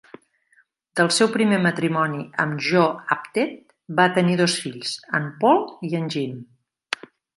Del seu primer matrimoni amb Jo Apted va tenir dos fills, en Paul i en Jim.